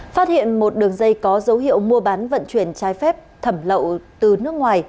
phát hiện một đường dây có dấu hiệu mua bán vận chuyển trái phép thẩm lậu từ nước ngoài